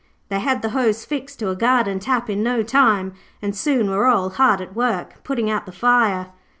They had the hose fixed to a garden tap in no time, and soon were all hard at work, putting out the fire.